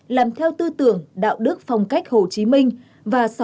làm theo tư tưởng đạo đức phong cách hồ chí minh và sáu điều bác hồ dạy